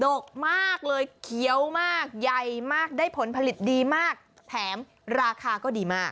กมากเลยเคี้ยวมากใหญ่มากได้ผลผลิตดีมากแถมราคาก็ดีมาก